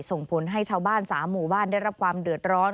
ส่งผลให้ชาวบ้าน๓หมู่บ้านได้รับความเดือดร้อน